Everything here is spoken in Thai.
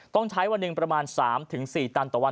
ต้องใช้วันหนึ่งประมาณ๓๔ตันต่อวัน